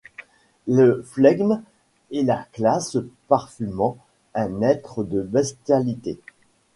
Le flegme et la classe parfumant un être de bestialité.